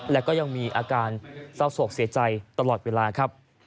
และก็ยังมีอาการเศร้าโศกเสียใจตลอดเวลาครับ